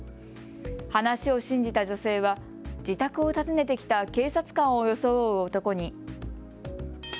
話を信じた女性は自宅を訪ねてきた警察官を装う男に。